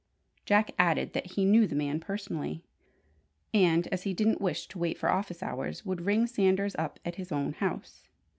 Jack added that he knew the man personally, and as he didn't wish to wait for office hours, would ring Sanders up at his own house.